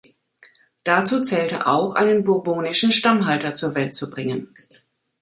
Dazu zählte auch, einen bourbonischen Stammhalter zur Welt zu bringen.